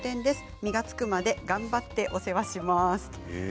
実がつくまで頑張ってお世話します。